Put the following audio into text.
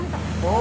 お。